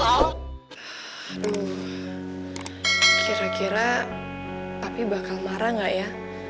aduh kira kira papi bakal marah nggak ya